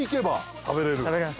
食べれます